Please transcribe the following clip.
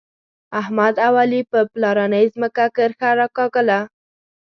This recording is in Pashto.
احمد او علي په پلارنۍ ځمکه کرښه راکاږله.